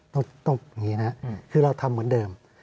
ต้องอย่างนี้นะคือเราทำเหมือนเดิม